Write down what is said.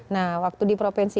nah waktu di provinsi